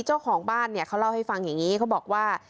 เจ้าของบ้านเนี่ยเขาเล่าให้ฟังอย่างนี้เขาบอกว่า